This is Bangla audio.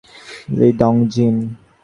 লি দং জিন?